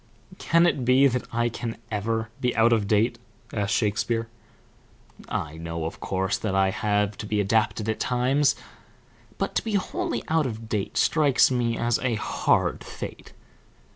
"Can it be that I can ever be out of date?" asked Shakespeare. "I know, of course, that I have to be adapted at times; but to be wholly out of date strikes me as a hard fate."